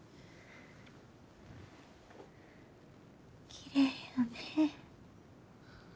きれいやね。